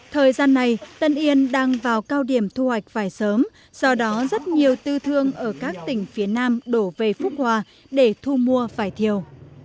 thời gian này tân yên đang vào cao điểm thu hoạch vải sớm do đó rất nhiều tư thương ở các tỉnh phía nam đổ về phúc hòa để thu mua vải thiều